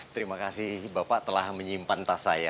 terima kasih bapak telah menyimpan tas saya